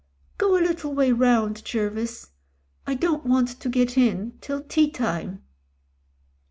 "Go a little way round, Jervis. I don't want to get in till tea time."